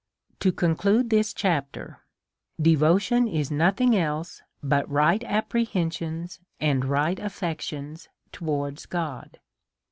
To conclude this chapter. Devotion is nothing else but right apprehensions and right affections towards God.